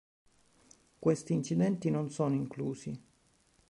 Questi incidenti non sono inclusi.